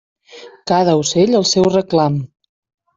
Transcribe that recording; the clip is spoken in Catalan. Cada ocell el seu reclam.